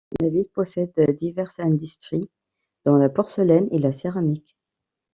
La ville possède diverses industries dont la porcelaine et la céramique.